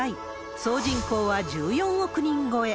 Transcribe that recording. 総人口は１４億人超え。